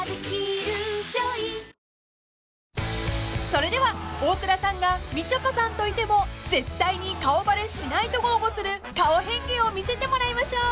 ［それでは大倉さんがみちょぱさんといても絶対に顔バレしないと豪語する顔変化を見せてもらいましょう］